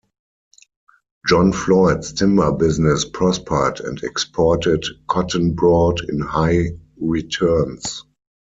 John Floyd's timber business prospered, and exported cotton brought in high returns.